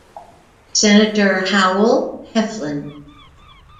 Senator Howell Heflin.